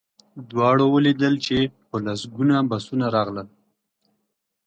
دواړو ولیدل چې په لسګونه بسونه راغلل